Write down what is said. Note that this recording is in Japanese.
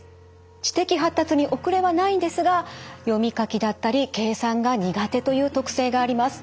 知的発達に遅れはないんですが読み書きだったり計算が苦手という特性があります。